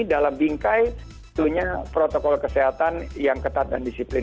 dalam bingkai protokol kesehatan yang ketat dan disiplin